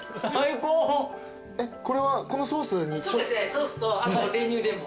ソースとあと練乳でも。